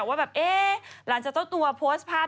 ว่าแบบเอ๊ะหลังจากเจ้าตัวโพสต์ภาพ